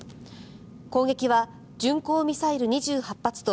攻撃は巡航ミサイル２８発と